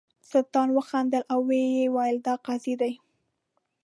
سلطان وخندل او ویل یې دا قاضي دی.